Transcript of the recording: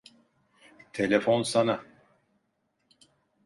Telefon sana.